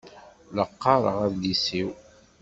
La qqaṛeɣ adlis-iw.